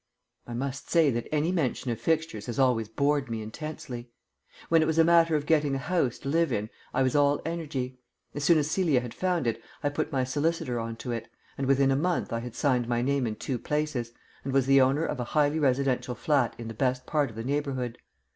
I must say that any mention of fixtures has always bored me intensely. When it was a matter of getting a house to live in I was all energy. As soon as Celia had found it, I put my solicitor on to it; and within a month I had signed my name in two places, and was the owner of a highly residential flat in the best part of the neighbourhood.